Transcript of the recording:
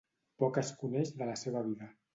Poc es coneix de la seva vida.